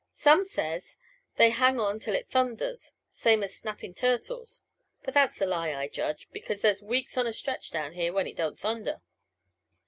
Some says they hang on till it thunders, same as snappin' turtles. But that's a lie, I judge, because there's weeks on a stretch down here when it don't thunder.